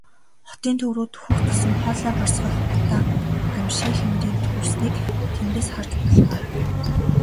Хотын төв рүү дөхөх тусам хоолой хорсгох утаа гамшгийн хэмжээнд хүрснийг тэндээс харж болохоор.